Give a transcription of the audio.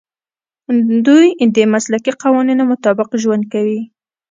دوی د مسلکي قوانینو مطابق ژوند کوي.